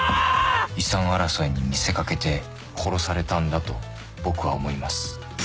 「遺産争いに見せ掛けて殺されたんだと僕は思います」